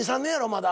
まだ。